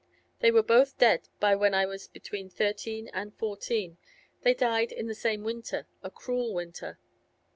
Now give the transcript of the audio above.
They were both dead by when I was between thirteen and fourteen. They died in the same winter—a cruel winter.